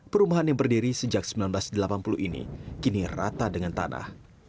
perumahan yang berdiri sejak seribu sembilan ratus delapan puluh ini kini rata dengan tanah